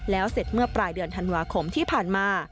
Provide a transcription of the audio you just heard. แล้วเสร็จเมื่อปลายเดือนธันวาคมที่ผ่านมา